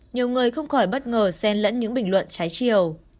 nhiều người không khỏi bất ngờ xen lẫn những bình luận trái chiều